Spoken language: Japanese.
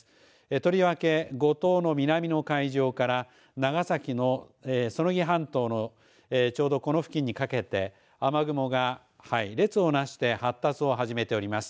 とりわけ五島の南の海上から長崎の彼杵半島のちょうど、この付近にかけて雨雲が列をなして発達をし始めたております。